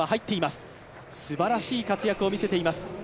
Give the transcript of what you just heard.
すばらしい活躍を見せています。